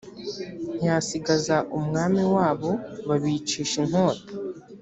ntiyasigaza umwami wabo babicisha inkota